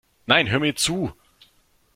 Nein, hör mir zu!